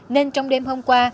nên trong đêm hôm qua